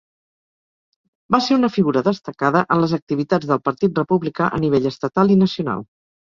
Va ser una figura destacada en les activitats del Partit Republicà a nivell estatal i nacional.